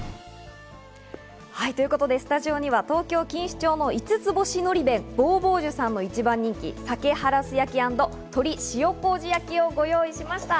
ということでスタジオには東京・錦糸町の五ツ星のり弁・坊々樹さんの一番人気、鮭ハラス焼き＆鶏塩麹焼きをご用意しました。